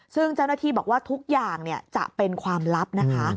ซึ่งเจ้าหน้าที่บอกว่าทุกอย่างจะเป็นความลับนะคะ